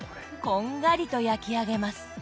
こんがりと焼き上げます。